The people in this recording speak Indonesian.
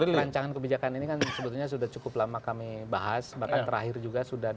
rancangan kebijakan ini kan sebetulnya sudah cukup lama kami bahas bahkan terakhir juga sudah